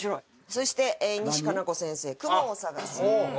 そして西加奈子先生『くもをさがす』。